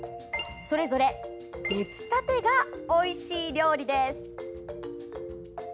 それぞれ出来たてがおいしい料理です。